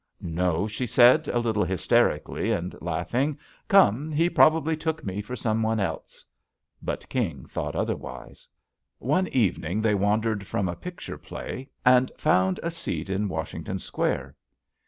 "No," she said a little hysterically, and laughing, "come, he probably took me for someone else." But King thought otherwise. One evening they wandered from a picture play and found a seat in Washington Square.